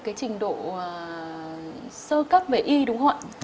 cái trình độ sơ cấp về y đúng không ạ